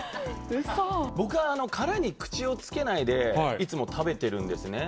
僕は、殻に口をつけないで、いつも食べてるんですね。